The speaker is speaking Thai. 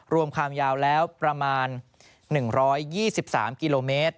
รวมความยาวแล้วประมาณ๑๒๓กม